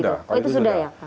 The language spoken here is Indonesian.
oh itu sudah ya